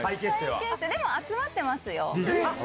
でも集まってますよ。